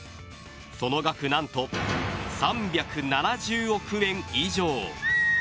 その額何と、３７０億円以上。